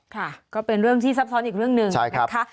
ค่ะก็เป็นเรื่องที่ซับซ้อนอีกเรื่องหนึ่งนะคะ